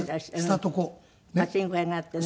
パチンコ屋があってね。